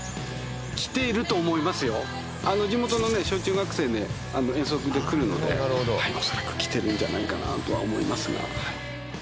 地元のね小中学生ね遠足の時来るので恐らく来てるんじゃないかなとは思いますが。